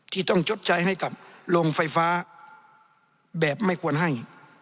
ที่ต้องชดใช้ให้กับโรงไฟฟ้าแบบไม่ควรให้